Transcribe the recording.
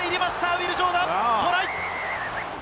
ウィル・ジョーダン、トライ！